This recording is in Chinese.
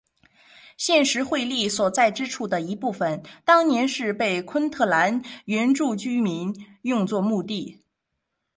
现时惠利所在之处的一部分当年是被昆特兰原住民用作墓地。